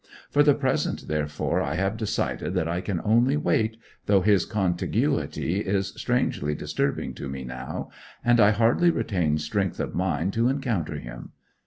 For the present, therefore, I have decided that I can only wait, though his contiguity is strangely disturbing to me now, and I hardly retain strength of mind to encounter him.